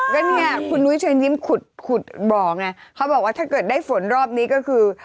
ก็เนี่ยคุณนุ้ยเชิญยิ้มขุดบ่อไงเขาบอกว่าถ้าเกิดได้ฝนรอบนี้ก็คือ